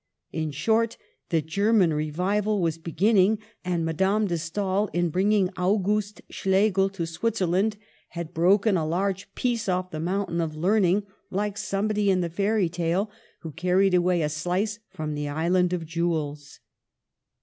In short, the German " Revival " was beginning, and Madame de Stael in bringing Auguste Schlegel to Switzerland had broken a large piece off the mountain of learning, like somebody in the fairy tale who carried away a slice from the Island of Jewels.